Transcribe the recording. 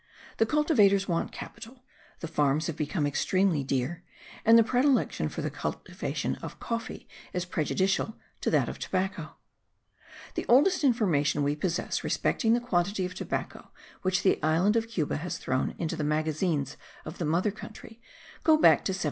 The cultivators want capital, the farms have become extremely dear, and the predilection for the cultivation of coffee is prejudicial to that of tobacco. The oldest information we possess respecting the quantity of tobacco which the island of Cuba has thrown into the magazines of the mother country go back to 1748.